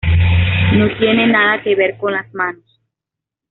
No tiene nada que ver con las manos".